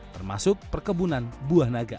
termasuk perkebunan buah naga